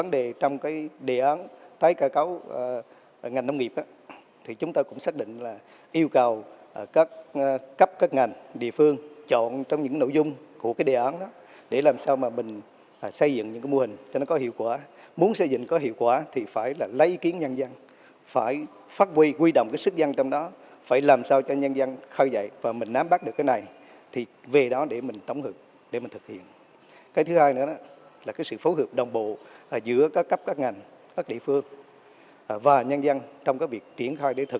đây nữa là sự phối hợp đồng bộ giữa các cấp các ngành các địa phương và nhân dân trong việc triển khai để thực hiện